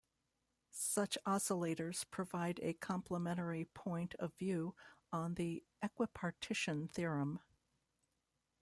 Such oscillators provide a complementary point of view on the equipartition theorem.